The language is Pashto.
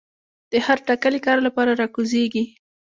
د هر ټاکلي کار لپاره را کوزيږي